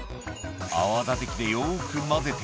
「泡立て器でよく混ぜて」